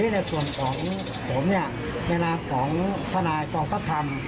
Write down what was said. ในส่วนของผมในนามของทนายกองทัพธรรม